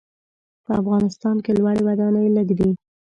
په افغانستان کې لوړې ودانۍ لږ دي.